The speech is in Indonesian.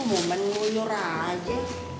mau menuyor aja